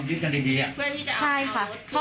คือจะมาเอายึดกันดีอ่ะคือแบบนี้จะเอา